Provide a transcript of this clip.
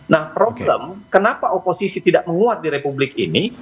nah problem kenapa oposisi tidak menguat di republik ini